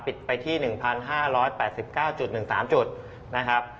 ปิดไปที่๑๕๘๙๑๓จุดนะครับ